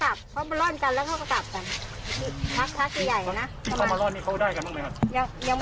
อ้าวแสดงว่าดูไทยรัฐเหรอครับ